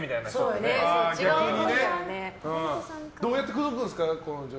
どうやって口説くんですか？